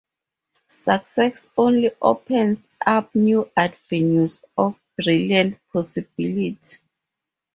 Success only opens up new avenues of brilliant possibility.